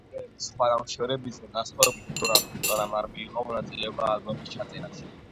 მომღერლის სხვა ნამუშევრებისგან განსხვავებით ლორან ბუტონამ არ მიიღო მონაწილეობა ალბომის ჩაწერაში.